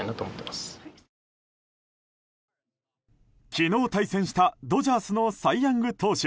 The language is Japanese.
昨日、対戦したドジャースのサイ・ヤング投手